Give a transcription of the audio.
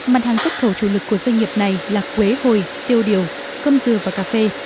mặt hàng xuất khẩu chủ lực của doanh nghiệp này là quế hồi tiêu điều cơm dừa và cà phê